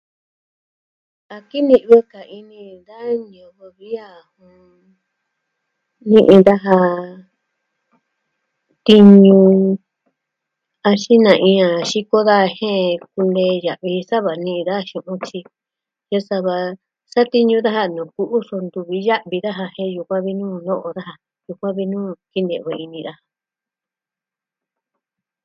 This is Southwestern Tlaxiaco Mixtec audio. A kini'vɨ ka ini da ñivɨ vi a... no'o daja tiñu axin na'in a xiko ka jen kune'ya vi sava nii da xu'un tyi... sava satiñu daja nuu ku'u su ntuvi ya'vi daja jen yukuan vi nuu no'o daja. Sukuan vi nu kini'vɨ ini ya'a.